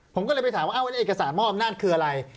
ผมก็เลยไปถามว่าเอาไว้ในเอกสารม่ออำนาจคืออะไร